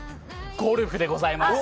ゴルフでございます。